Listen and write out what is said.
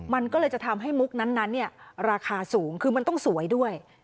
มันก็เลยจะทำให้มุกนั้นราคาสูงคือมันต้องสวยด้วย